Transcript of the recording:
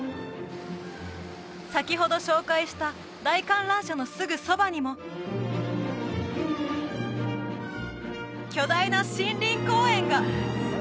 先ほど紹介した大観覧車のすぐそばにも巨大な森林公園が！